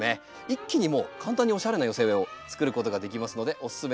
一気にもう簡単におしゃれな寄せ植えをつくることができますのでおすすめです。